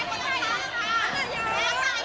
สวัสดีครับ